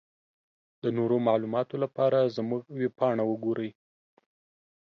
د نورو معلوماتو لپاره زمونږ ويبپاڼه وګورٸ.